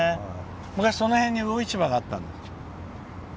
昔その辺に魚市場があったの。